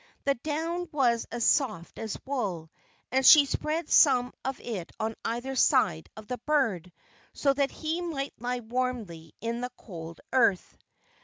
The down was as soft as wool, and she spread some of it on each side of the bird, so that he might lie warmly in the cold earth.